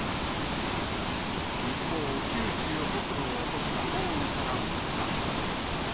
一方、九州北部を襲った豪雨から２日。